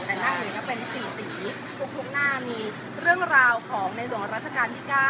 แต่หน้าอื่นก็เป็น๔สีทุกหน้ามีเรื่องราวของในหลวงราชการที่๙